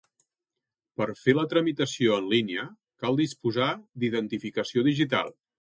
Per fer la tramitació en línia cal disposar d'identificació digital.